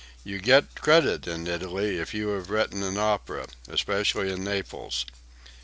You get credit in Italy if you have written an opera, especially in Naples."